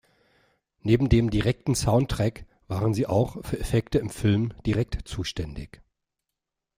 Neben dem direkten Soundtrack waren sie auch für Effekte im Film direkt zuständig.